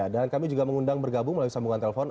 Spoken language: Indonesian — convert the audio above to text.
dan kami juga mengundang bergabung melalui sambungan telepon